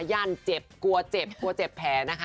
ย่านเจ็บกลัวเจ็บกลัวเจ็บแผลนะคะ